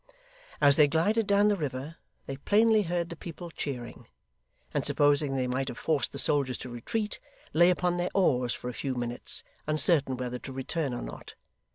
As they glided down the river, they plainly heard the people cheering; and supposing they might have forced the soldiers to retreat, lay upon their oars for a few minutes, uncertain whether to return or not.